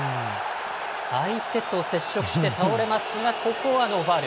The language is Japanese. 相手と接触して倒れますがここはノーファウル。